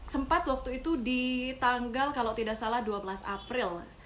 sempat waktu itu di tanggal kalau tidak salah dua belas april